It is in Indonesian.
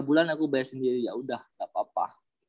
tiga bulan aku bayar sendiri yaudah gapapa